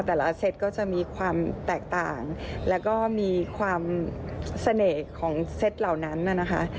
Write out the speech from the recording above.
แต่ละเซตก็จะมีความแตกต่างแล้วก็มีความเสน่ห์ของเซตเหล่านั้นน่ะนะคะ